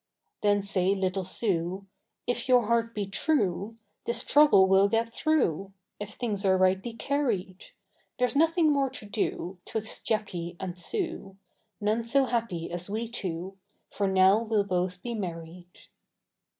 Then say little Sue, If your heart be true, This trouble weâll get through, If things are rightly carried; Thereâs nothing more to do, âTwixt Jacky and Sue, None so happy as we two, For now weâll both be married.